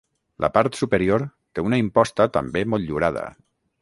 La part superior té una imposta també motllurada.